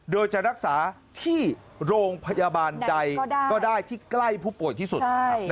โดยจะรักษาที่โรงพยาบาลใดก็ได้ที่ใกล้ผู้ป่วยที่สุด